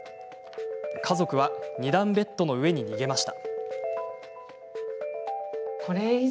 家族は、２段ベッドの上に逃げました。